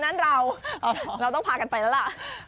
อันนั้นเราเราต้องพากันไปแล้วล่ะ